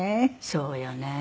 そうよね。